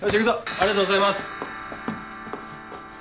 ありがとうございます。